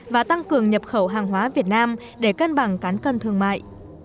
và tăng cường nhập khẩu hàng hóa việt nam để cân bằng cán cân thương mại